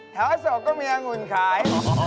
แถวอโศกก็มีอังุณขาย